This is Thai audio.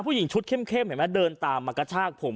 ผู้หญิงชุดเข้มเห็นไหมเดินตามมากระชากผม